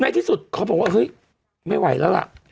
ไงที่สุดครอบครัวบอกว่าเฮ้ยไม่ไหวแล้วล่ะ